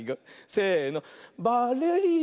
せの。